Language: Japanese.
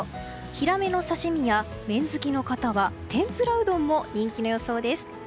ヒラメの刺し身や麺好きの方は天ぷらうどんも人気の予想です。